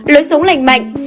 lối sống lành mạnh